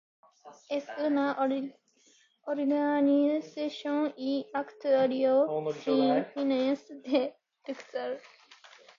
Es una organización y acuario sin fines de lucro.